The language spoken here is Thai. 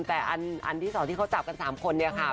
แต่อันที่๒ที่เขาจับกัน๓คนเนี่ยค่ะ